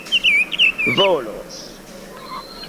volos